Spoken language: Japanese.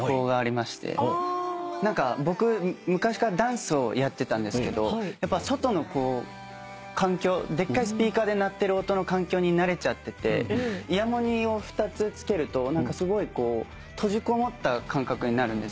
僕昔からダンスをやってたんですけど外のでっかいスピーカーで鳴ってる音の環境に慣れちゃっててイヤモニを２つ付けるとすごい閉じこもった感覚になる。